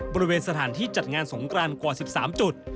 บริเวณสถานที่จัดงานสงกรานกว่า๑๓จุด